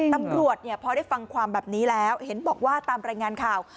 ตำรวจเนี่ยพอได้ฟังความแบบนี้แล้วเห็นบอกว่าตามรายงานข่าว